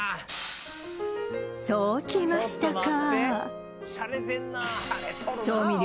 そうきましたか！